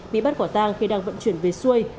bị bắt quả tang khi đang vận chuyển về xuôi